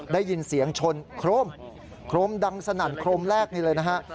ได้ยินเสียงชนโครมโครมดังสนั่นโครมแรกนี่เลยนะฮะ